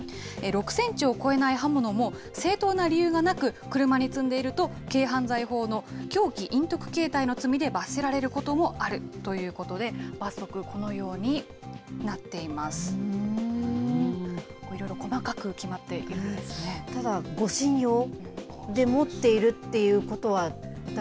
６センチを超えない刃物も、正当な理由がなく、車に積んでいると、軽犯罪法の凶器隠匿携帯の罪で罰せられることもあるということで、いろいろ細かく決まっているただ、護身用で持っているっ